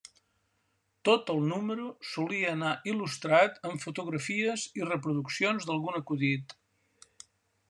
Tot el número solia anar il·lustrat amb fotografies i reproduccions d'algun acudit.